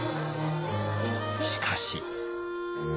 しかし。